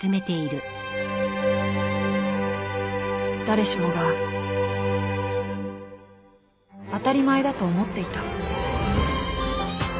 ［誰しもが当たり前だと思っていた］